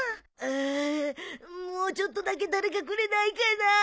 あもうちょっとだけ誰かくれないかなぁ。